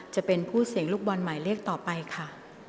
จะเป็นผู้เสี่ยงลูกบอลหมายเลขต่อไปค่ะ